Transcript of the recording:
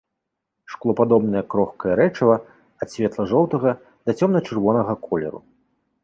Шклопадобнае крохкае рэчыва ад светла-жоўтага да цёмна-чырвонага колеру.